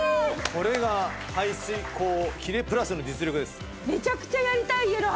これが排水口キレイプラスの実力です。